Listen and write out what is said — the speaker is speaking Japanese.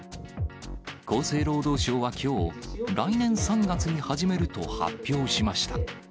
厚生労働省はきょう、来年３月に始めると発表しました。